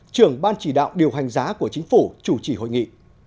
trưởng ban chỉ đạo điều hành giá của chính phủ chủ trì hội nghị